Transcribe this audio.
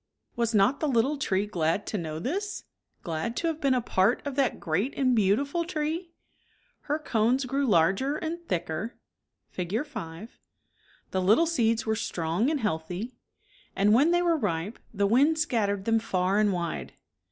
Was not the little tree glad to know this? glad to have been a part of that great and beautiful tree? Her cones ijKH. g|.g^ larger and thicker (Fig. 5), the little seeds were strong and Healthy, and when they were ripe, the wind scattered them far and wide.